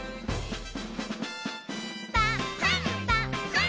「パンパン」